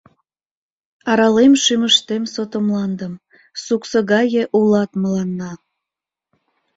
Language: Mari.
Аралем шӱмыштем сото мландым, Суксо гае улат мыланна.